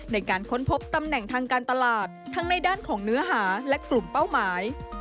ในการค้นพบตำแหน่งทางการตลาดทั้งในด้านของเนื้อหาและกลุ่มเป้าหมาย